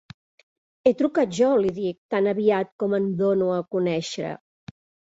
He trucat jo —li dic, tan aviat com em dono a conèixer.